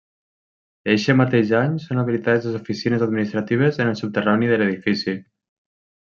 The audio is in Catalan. Eixe mateix any són habilitades les oficines administratives en el subterrani de l'edifici.